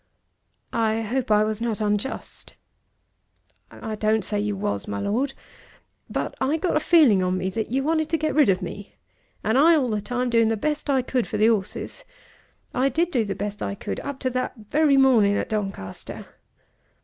"I hope I was not unjust." "I don't say you was, my Lord. But I got a feeling on me that you wanted to get rid of me, and I all the time doing the best I could for the 'orses. I did do the best I could up to that very morning at Doncaster.